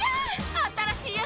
新しいやつ！